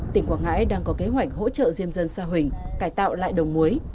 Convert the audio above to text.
tỉnh quảng ngãi đang có kế hoạch hỗ trợ diêm dân sa huỳnh cải tạo lại đồng muối